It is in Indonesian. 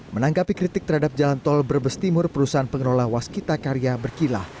menanggapi kritik terhadap jalan tol brebes timur perusahaan pengelola waskita karya berkilah